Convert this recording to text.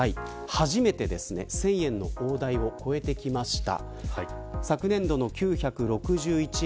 初めて１０００円の大台を超えてきました。